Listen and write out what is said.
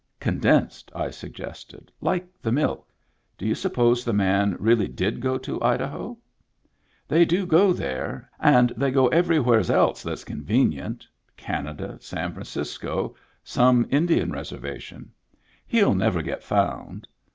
"Condensed," I suggested. "Like the milk. Do you suppose the man really did go to Idaho ?"" They do go there — and they go everywheres else that's convenient — Canada, San Francisco, some Indian reservation. He'll never get found.